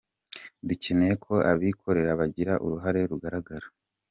Dukeneye ko abikorera bagira uruhare rugaragara.